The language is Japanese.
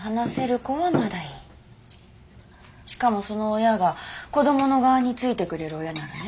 しかもその親が子供の側についてくれる親ならね。